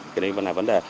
cái đấy là vấn đề